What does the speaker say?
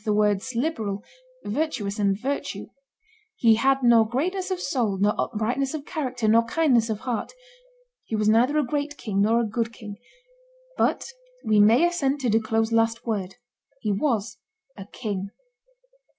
the words liberal, virtuous, and virtue; he had nor greatness of soul, nor uprightness of character, nor kindness of heart; he was neither a great king nor a good king; but we may assent to Duclos' last word he was a king.